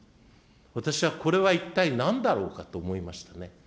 私はこれは一体なんだろうかと思いましたね。